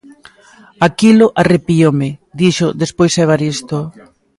"Aquilo arrepioume", dixo despois Evaristo.